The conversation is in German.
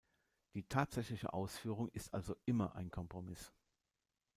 Die tatsächliche Ausführung ist also immer ein Kompromiss.